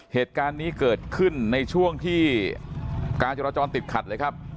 เหตุการณ์นี้เกิดขึ้นในช่วงที่การจราจรติดขัดเลยครับ